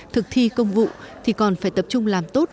thực thi công vụ thì còn phải tập trung làm tốt